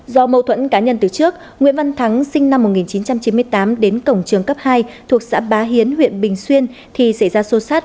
do mâu thuẫn cá nhân từ trước nguyễn văn thắng sinh năm một nghìn chín trăm chín mươi tám đến cổng trường cấp hai thuộc xã bá hiến huyện bình xuyên thì xảy ra xô xát